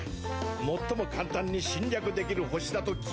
最も簡単に侵略できる星だと聞いている。